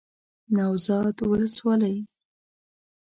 نوزاد ولسوالۍ